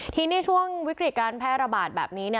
ทีนี้ช่วงวิกฤตการแพร่ระบาดแบบนี้